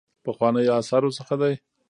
پخوانیو آثارو څخه دی.